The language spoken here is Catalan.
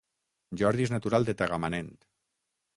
Jordi és natural de Tagamanent